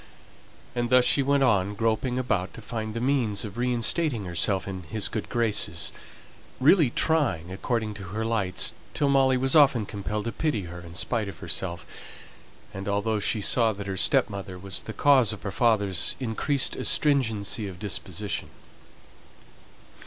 And thus she went on, groping about to find the means of reinstating herself in his good graces really trying, according to her lights, till Molly was often compelled to pity her in spite of herself, and although she saw that her stepmother was the cause of her father's increased astringency of disposition.